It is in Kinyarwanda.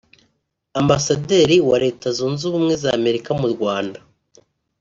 Ambasaderi wa Leta Zunze Ubumwe z’Amerika mu Rwanda